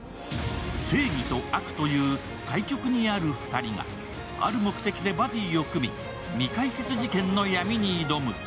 正義と悪という対極にある２人がある目的でバディを組み未解決事件の闇に挑む。